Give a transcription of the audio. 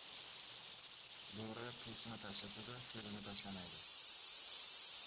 • Bo‘ri po‘stini tashlasa-da, fe’lini tashlamaydi.